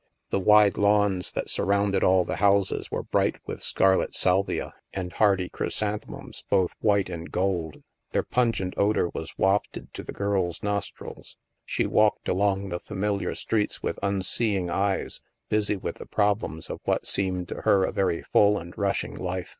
The wide lawns that surrounded all the houses were bright with scarlet salvia and hardy chrysanthemums, both white and it lo THE MASK gold. Their pungent odor was wafted to the girl's nostrils. She walked along the familiar streets with unsee ing eyes, busy with the problems of what seemed to her a very full and rushing life.